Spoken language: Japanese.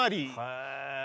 へえ。